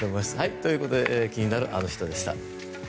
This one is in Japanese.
ということで気になるアノ人でした。